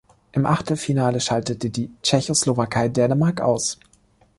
Im Achtelfinale schaltete die Tschechoslowakei Dänemark aus.